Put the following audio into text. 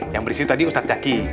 yang berisi itu tadi ustadz yaki